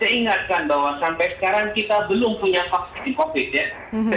saya ingatkan bahwa sampai sekarang kita belum punya vaksin covid ya